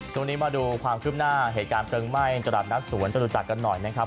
มาดูความคืบหน้าเหตุการณ์เพลิงไหม้ตลาดนัดสวนจตุจักรกันหน่อยนะครับ